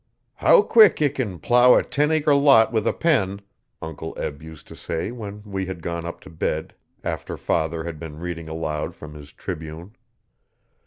'How quick ye can plough a ten acre lot with a pen,' Uncle Eb used to say when we had gone up to bed after father had been reading aloud from his Tribune.